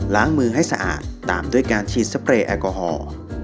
ล้างมือให้สะอาดตามด้วยการฉีดสเปรย์แอลกอฮอล์